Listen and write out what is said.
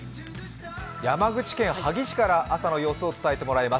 山口県萩市から朝の様子を伝えてもらいます。